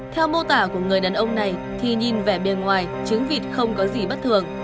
theo mô tả của người đàn ông này thì nhìn vẻ bề ngoài trứng vịt không có gì bất thường